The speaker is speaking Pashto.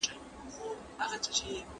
پوتنشیاله انرژي د انفجار سبب ګرځي.